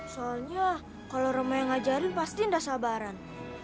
soalnya kalau orang mau ngajarin pasti nggak sabaran